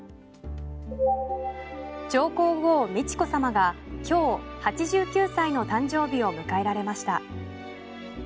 上皇后・美智子さまが今日、８９歳の誕生日を迎えられました。